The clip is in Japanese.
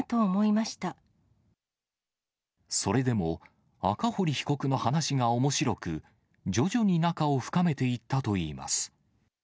それでも、赤堀被告の話がおもしろく、徐々に仲を深めていったといいます。